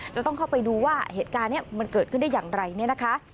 จะต้องเข้าไปดูว่าเหตุการณ์นี้มันเกิดขึ้นได้อย่างไรเนี่ยนะคะ